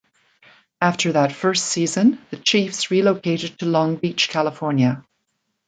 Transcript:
After that first season, the Chiefs relocated to Long Beach, California.